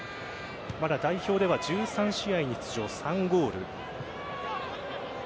まだ代表では１３試合に出場、３ゴール。